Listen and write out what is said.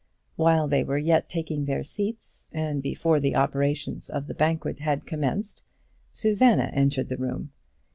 While they were yet taking their seats, and before the operations of the banquet had commenced, Susanna entered the room.